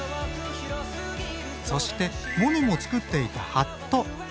そしてモネも作っていたはっと。